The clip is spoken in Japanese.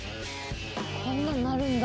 こんなんなるんだ。